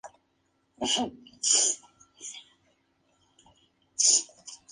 Ese mismo año impulsó la fundación de la Sociedad de Ecología de Chile.